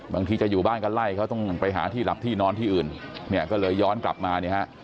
บางทีจะอยู่บ้านก็ไล่เขาต้องไปหาที่หลับที่นอนที่อื่นเนี่ยก็เลยย้อนกลับมาเนี่ยฮะ